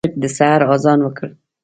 چرګ د سحر اذان وکړ.